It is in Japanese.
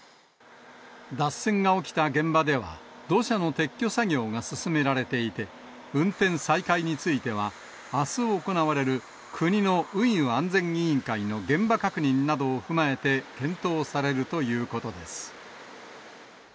脱線が起きた現場では、土砂の撤去作業が進められていて、運転再開については、あす行われる国の運輸安全委員会の現場確認などを踏まえて検討されるということです。